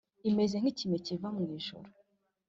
Imeze nk’ ikime kiva mu ijuru